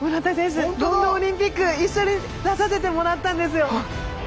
ロンドンオリンピック一緒に出させてもらったんですよ！